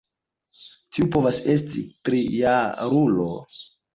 Tiu povas esti trijarulo.